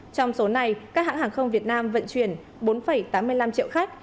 trong số này các hãng hàng không việt nam vận chuyển bốn tám mươi năm triệu khách